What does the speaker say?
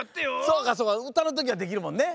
そうかそうかうたのときはできるもんね。